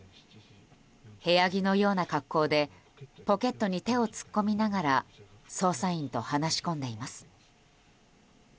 部屋着のような格好でポケットに手を突っ込みながら捜査員と話し込んでいます。